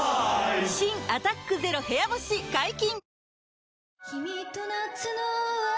新「アタックＺＥＲＯ部屋干し」解禁‼